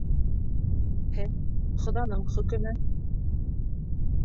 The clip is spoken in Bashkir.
Һе, Хоҙаның хөкөмө.